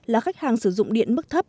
là khách hàng sử dụng điện mức thấp